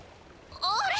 あれ？